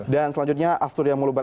dan selanjutnya aftur yang mau lupakan